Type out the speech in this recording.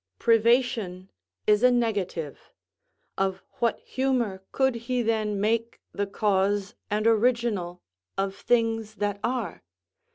Privation is a negative; of what humour could he then make the cause and original of things that are?